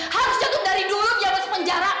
harus jatuh dari dulu di zaman sepenjara